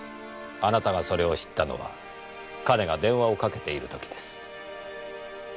あなたがそれを知ったのは彼が電話をかけているときです。